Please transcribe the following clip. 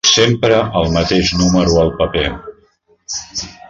Sempre el mateix número al paper.